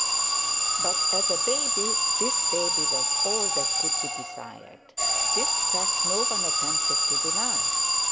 But, as a baby, this baby was all that could be desired. This fact no one attempted to deny.